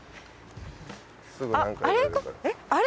あっあれ？